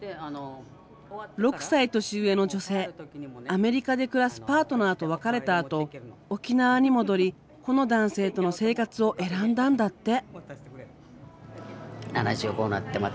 アメリカで暮らすパートナーと別れたあと沖縄に戻りこの男性との生活を選んだんだって。